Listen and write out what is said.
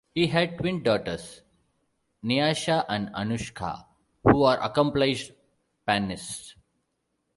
He had twin daughters, Niasha and Anuska, who are accomplished pannists.